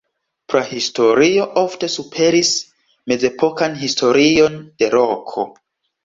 Prahistorio ofte superis mezepokan historion de Roko.